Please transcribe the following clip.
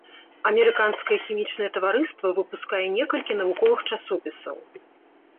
Амерыканскае хімічнае таварыства выпускае некалькі навуковых часопісаў.